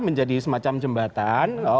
menjadi semacam jembatan